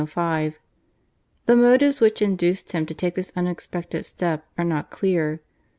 The motives which induced him to take this unexpected step are not clear.